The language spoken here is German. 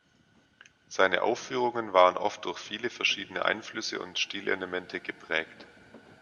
Seine Aufführungen waren oft durch viele verschiedene Einflüsse und Stilelemente geprägt.